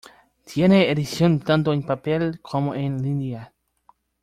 Tiene edición tanto en papel como en línea.